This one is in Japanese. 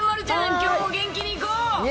きょうも元気にいこう。